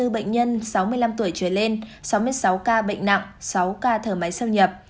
hai trăm bảy mươi bốn bệnh nhân sáu mươi năm tuổi trở lên sáu mươi sáu ca bệnh nặng sáu ca thở máy sâu nhập